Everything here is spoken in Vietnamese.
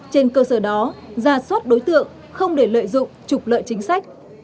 trên cơ sở đó ra soát đối tượng không để lợi dụng trục lợi chính sách